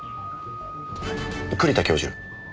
栗田教授？